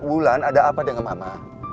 bulan ada apa dengan mama